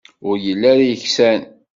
Ur yelli ara yeksan.